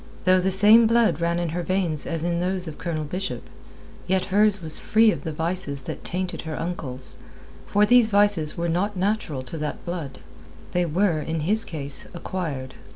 Though the same blood ran in her veins as in those of Colonel Bishop, yet hers was free of the vices that tainted her uncle's, for these vices were not natural to that blood; they were, in his case, acquired.